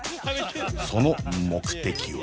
その目的は？